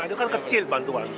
ini kan kecil bantuan